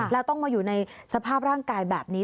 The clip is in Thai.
แล้วต้องมาอยู่ในสภาพร่างกายแบบนี้